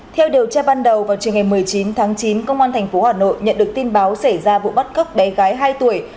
theo điều tra ban đầu vào trường ngày một mươi chín tháng chín công an tp hà nội nhận được tin báo xảy ra vụ bắt cóc bé gái hai tuổi